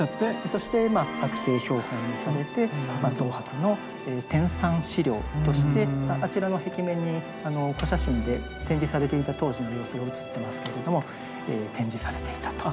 そして剥製標本にされて東博の天産資料としてあちらの壁面にお写真で展示されていた当時の様子が写ってますけれども展示されていたと。